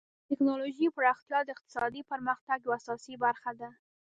د ټکنالوژۍ پراختیا د اقتصادي پرمختګ یوه اساسي برخه ده.